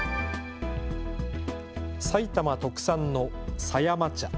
埼玉特産の狭山茶。